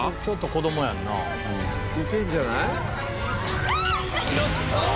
ちょっと子供やんな。